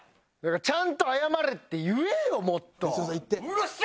「ちゃんと謝れ」って言えよもっと！